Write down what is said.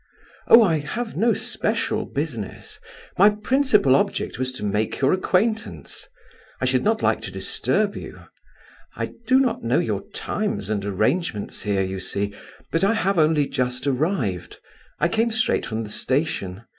"Oh, I have no special business; my principal object was to make your acquaintance. I should not like to disturb you. I do not know your times and arrangements here, you see, but I have only just arrived. I came straight from the station.